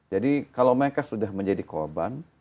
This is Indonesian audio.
jadi kalau mereka sudah menjadi korban